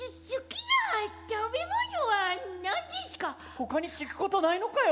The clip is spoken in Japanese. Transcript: ほかに聞くことないのかよ。